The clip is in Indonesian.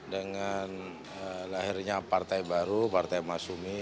dengan lahirnya partai baru partai mas umi